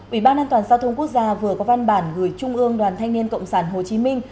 ủy ban an toàn giao thông quốc gia vừa có văn bản gửi trung ương đoàn thanh niên cộng sản hồ chí minh